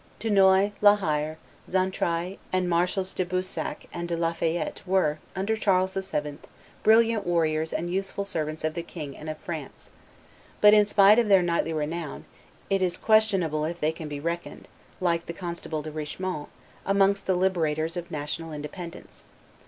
Dunois, La Hire, Xaintrailles, and Marshals De Boussac and De La Fayette were, under Charles VII., brilliant warriors and useful servants of the king and of Fiance; but, in spite of their knightly renown, it is questionable if they can be reckoned, like the constable De Richemont, amongst the liberators of national independence.